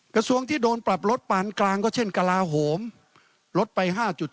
กระทรวงที่โดนปรับลดปานกลางก็เช่นกระลาโหมลดไป๕๗